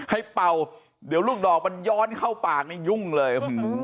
เป่าเดี๋ยวลูกดอกมันย้อนเข้าปากนี่ยุ่งเลย